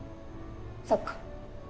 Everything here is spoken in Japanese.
そっか。